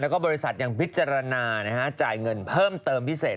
แล้วก็บริษัทยังพิจารณาจ่ายเงินเพิ่มเติมพิเศษ